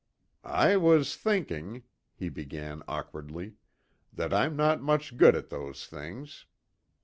"I was thinking," he began awkwardly, "that I'm not much good at those things.